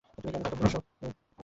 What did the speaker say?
তুমি কি অন্য কাউকে ভালোবাসো, পূজা?